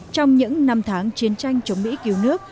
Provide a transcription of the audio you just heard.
trong những năm tháng chiến tranh chống mỹ cứu nước